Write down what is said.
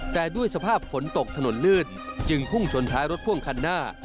แต่ด้วยสภาพฝนตกถนนลื่นจึงพุ่งชนท้ายรถพ่วงคันหน้า